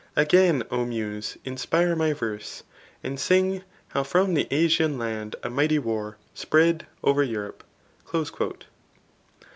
Again, O Muse, insph^ my verse, and sing Hotojrom the Atian land a mighty xvar Spread over Europe.